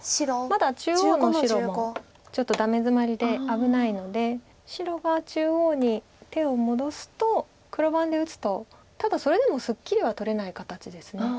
まだ中央の白もちょっとダメヅマリで危ないので白が中央に手を戻すと黒番で打つとただそれでもすっきりは取れない形です。